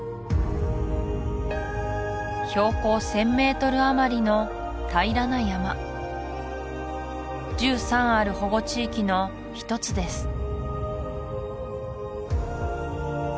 標高１０００ｍあまりの平らな山１３ある保護地域の１つです